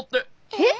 えっ？